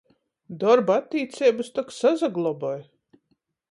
Dorba attīceibys tok sasagloboj.